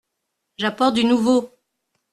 J’apporte du nouveau.